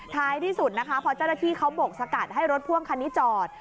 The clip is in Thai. ท้ายที่สุดนะคะพอเจ้าหน้าที่เขาบกสกัดให้รถพ่วงคันนี้จอด